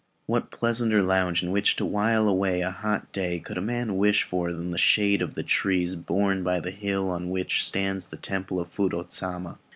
What pleasanter lounge in which to while away a hot day could a man wish for than the shade of the trees borne by the hill on which stands the Temple of Fudô Sama?